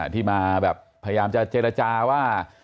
ที่มาแบบพยายามจะเจรจาว่า